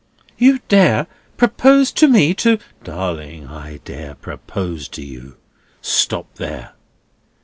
"You dare propose to me to—" "Darling, I dare propose to you. Stop there.